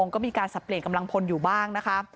ก็มีการสับเปลี่ยนกำลังพลอยู่บ้างนะคะ